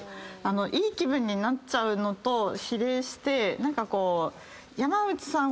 いい気分になっちゃうのと比例して何かこう。